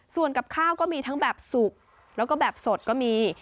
ส่วนกับข้าวก็มีทั้งแบบสุกแล้วก็แบบสดก็มี